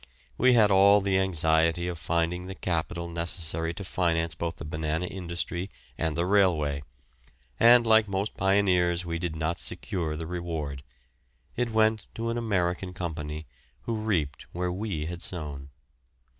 We had all the anxiety of finding the capital necessary to finance both the banana industry and the railway, and like most pioneers we did not secure the reward; it went to an American company, who reaped where we had sown.